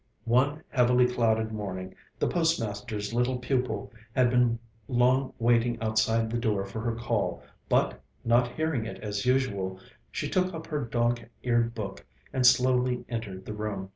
One heavily clouded morning, the postmaster's little pupil had been long waiting outside the door for her call, but, not hearing it as usual, she took up her dog eared book, and slowly entered the room.